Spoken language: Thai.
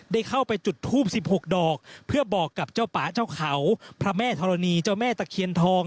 ได้เข้าไปจุดทูบ๑๖ดอกเพื่อบอกกับเจ้าป่าเจ้าเขาพระแม่ธรณีเจ้าแม่ตะเคียนทอง